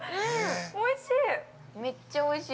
おいしい。